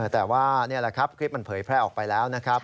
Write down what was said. แต่ว่านี่แหละครับคลิปมันเผยแพร่ออกไปแล้วนะครับ